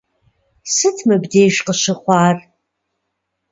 Сыт мыбдеж къыщыхъуар?